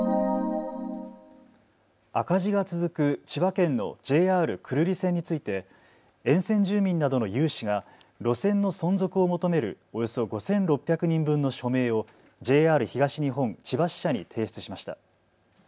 赤字が続く千葉県のＪＲ久留里線について沿線住民などの有志が路線の存続を求めるおよそ５６００人分の署名をＪＲ東日本千葉支社に提出しました。